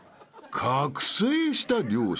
［覚醒した両者］